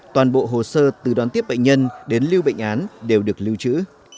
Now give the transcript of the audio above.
toàn bộ hồ sơ từ đón tiếp bệnh nhân đến lưu bệnh án đều được lưu trữ